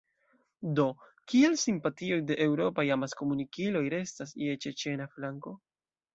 Do kial simpatioj de eŭropaj amaskomunikiloj restas je ĉeĉena flanko?